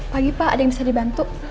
pagi pak ada yang bisa dibantu